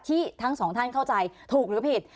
ที่ทั้ง๒ท่านเข้าใจถูกหรือผิด